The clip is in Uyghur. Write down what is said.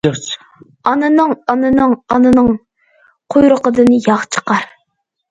ئانىنىڭ... ئانىنىڭ... ئانىنىڭ... قۇيرۇقىدىن ياغ چىقار.